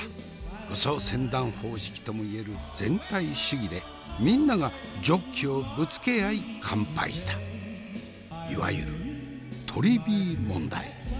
護送船団方式ともいえる全体主義でみんながジョッキをぶつけ合い乾杯したいわゆるとりビー問題。